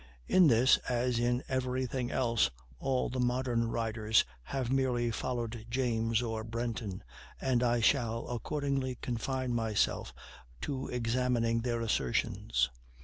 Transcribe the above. In this, as in every thing else, all the modern writers have merely followed James or Brenton, and I shall accordingly confine myself to examining their assertions.